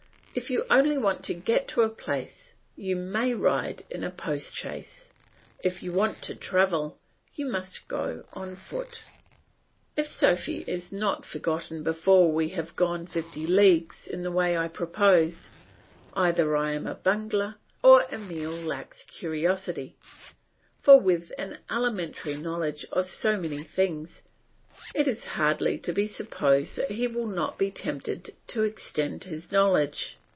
If you only want to get to a place you may ride in a post chaise; if you want to travel you must go on foot. If Sophy is not forgotten before we have gone fifty leagues in the way I propose, either I am a bungler or Emile lacks curiosity; for with an elementary knowledge of so many things, it is hardly to be supposed that he will not be tempted to extend his knowledge.